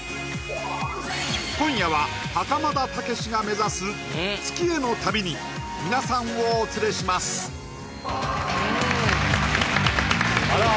今夜は袴田武史が目指す月への旅に皆さんをお連れしますあら！